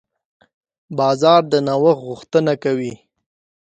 بازار د نوښت غوښتنه کوي.